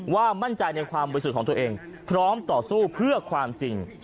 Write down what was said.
ว่ามั่นใจในความบริสุทธิ์ของตัวเองพร้อมต่อสู้เพื่อความจริง